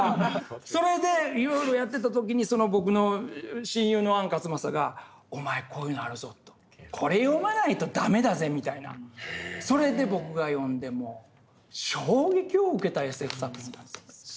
それでいろいろやってた時にその僕の親友の安克昌がお前こういうのあるぞとこれ読まないと駄目だぜみたいなそれで僕が読んでもう衝撃を受けたＳＦ作品なんです。